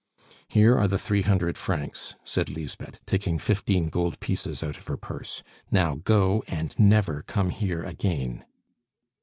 "Here are the three hundred francs," said Lisbeth, taking fifteen gold pieces out of her purse. "Now, go, and never come here again."